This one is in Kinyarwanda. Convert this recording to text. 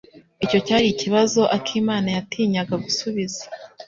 Icyo cyari ikibazo akimana yatinyaga gusubiza.